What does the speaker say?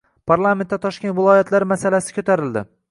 Parlamentda Toshkent viloyatlari masalasi ko'tarildi